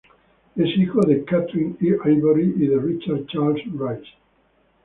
Es hijo de Kathryn Ivory y de Richard Charles Rhys.